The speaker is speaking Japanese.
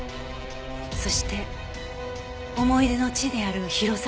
そして思い出の地である広沢に向かった。